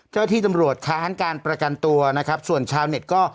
เจ้าที่ตำรวจค้านการประกันตัวนะครับส่วนชาวเน็ตก็